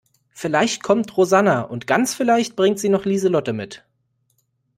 Vielleicht kommt Rosanna und ganz vielleicht bringt sie noch Lieselotte mit.